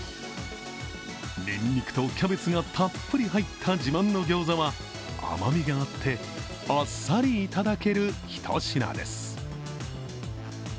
にんにくとキャベツがたっぷり入った自慢のギョーザは甘みがあってあっさりいただけるひと品です。